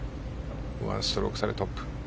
１ストローク差でトップ。